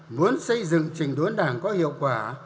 muốn xây dựng trình đốn đảng có hiệu quả